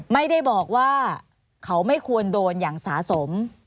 ไม่ได้บอกว่าเขาไม่ควรโดนอย่างสะสม